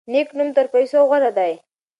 نیک نوم تر پیسو غوره دی.